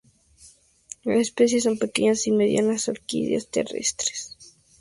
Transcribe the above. Las especies son pequeñas y medianas orquídeas terrestres.